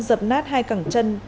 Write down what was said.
dập nát hai cẳng chân